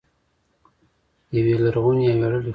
یوې لرغونې او ویاړلې خاورې.